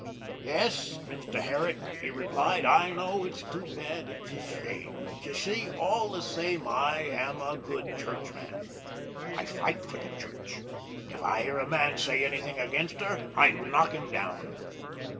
"Yes, Mr. Herrick," he replied, "I know it's too bad; it is a shame; but, you see, all the same, I am a good churchman. I fight for the Church. If I hear a man say anything against her, I knock him down."